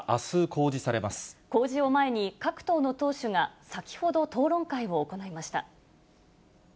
公示を前に各党の党首が先ほど討論会を行いました。